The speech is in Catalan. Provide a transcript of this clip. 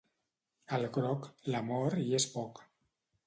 Al groc, l'amor hi és poc.